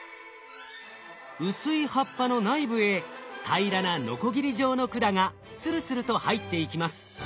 薄い葉っぱの内部へ平らなノコギリ状の管がスルスルと入っていきます。